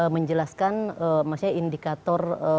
menjelaskan maksudnya indikator